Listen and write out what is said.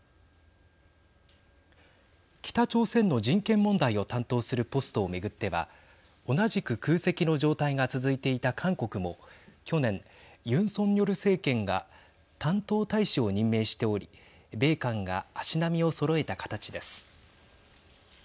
北朝鮮の人権問題を担当するポストを巡っては同じく空席の状態が続いていた韓国も去年、ユン・ソンニョル政権が担当大使を任命しており米韓が足並みをそろえた形です。